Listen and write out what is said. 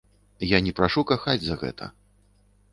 Я не прашу кахаць за гэта.